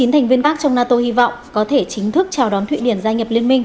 chín thành viên bắc trong nato hy vọng có thể chính thức chào đón thụy điển gia nhập liên minh